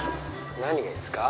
何がいいですか？